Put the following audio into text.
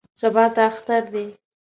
سبا ته اختر دی.